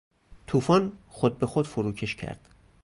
توفان خود بخود فروکش کرد.